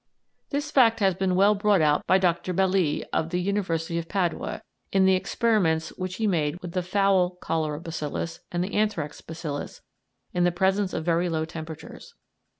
This fact has been well brought out by Dr. Belli, of the University of Padua, in the experiments which he made with the fowl cholera bacillus and the anthrax bacillus in the presence of very low temperatures.